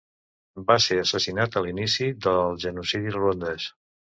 Va ser assassinat a l'inici del genocidi ruandès.